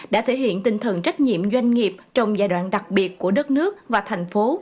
đã thể hiện tinh thần trách nhiệm doanh nghiệp trong giai đoạn đặc biệt của đất nước và thành phố